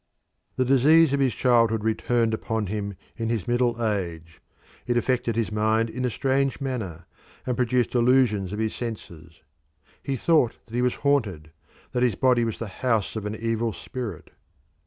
The disease of his childhood returned upon him in his middle age; it affected his mind in a strange manner, and produced illusions of his senses. He thought that he was haunted, that his body was the house of an evil spirit.